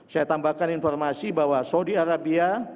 saya tambahkan informasi bahwa saudi arabia